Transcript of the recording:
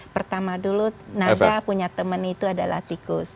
pertama dulu naga punya teman itu adalah tikus